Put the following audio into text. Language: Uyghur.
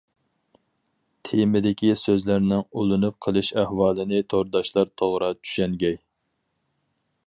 تېمىدىكى سۆزلەرنىڭ ئۇلىنىپ قىلىش ئەھۋالىنى تورداشلار توغرا چۈشەنگەي.